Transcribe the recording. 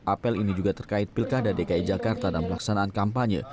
apel ini juga terkait pilkada dki jakarta dalam pelaksanaan kampanye